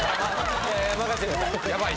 いや任せてください